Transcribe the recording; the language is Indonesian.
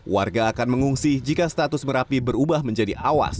warga akan mengungsi jika status merapi berubah menjadi awas